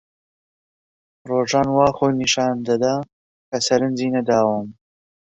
ڕۆژان وا خۆی نیشان دەدا کە سەرنجی نەداوم.